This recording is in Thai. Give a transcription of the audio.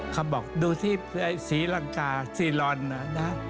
เขาบอกดูที่สหรักกาซีรอนนะครับ